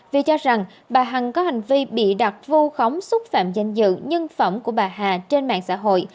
vì cho rằng bà hằng có hành vi bị đặt vu khống xúc phạm danh dự nhân phẩm của bà hà trên mạng xã hội